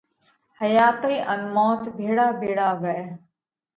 حياتئِي ان موت ڀيۯا ڀيۯا وئه۔